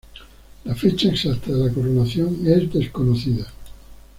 La fecha exacta de la coronación es desconocida.